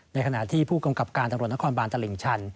ในขณะที่ผู้กำกับการตำรวจนครบานตลิ่งชัน